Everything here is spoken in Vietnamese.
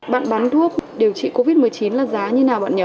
bạn bán thuốc điều trị covid một mươi chín là giá như nào bạn nhớ